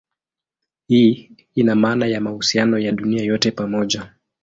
Hii ina maana ya mahusiano ya dunia yote pamoja.